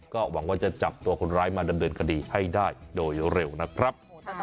ก็หวังว่าจะจับตัวคนร้ายมาดำเนินคดีให้ได้โดยเร็วนะครับ